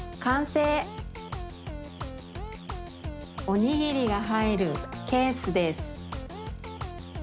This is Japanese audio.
おにぎりがはいるケースです。